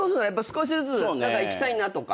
少しずつ行きたいなとか。